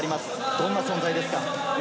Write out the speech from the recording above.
どんな存在ですか？